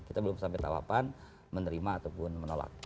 kita belum sampai tahapan menerima ataupun menolak